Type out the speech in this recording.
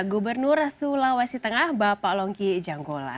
gubernur sulawesi tengah bapak longki janggola